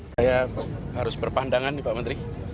saya harus berpandangan nih pak menteri